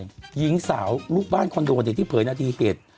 วางาวดิษษัตริย์ที่เผยนธีเกษ